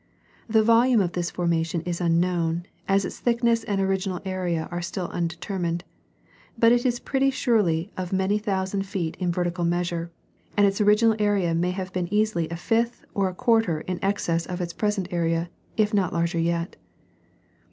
The volume of this formation is unknown, as its thickness and original area are still undetermined ; but it is pretty surely of many thousand feet in vertical measure, and its original area may have been easily a fifth or a quarter in excess of its present area, if not larger yet.